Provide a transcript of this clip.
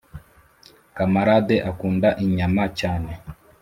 kamarade akunda inyama cyane